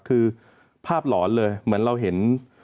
คือภาพหลอนเลยเหมือนเราเห็น